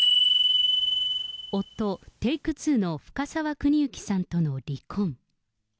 夫、Ｔａｋｅ２の深沢邦之さんとの離婚。